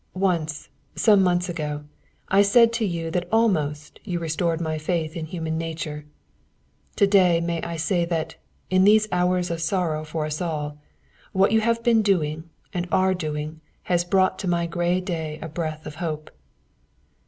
Once, some months ago, I said to you that almost you restored my faith in human nature. To day I may say that, in these hours of sorrow for us all, what you have done and are doing has brought into my gray day a breath of hope."